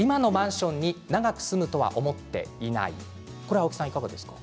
青木さん、いかがですか？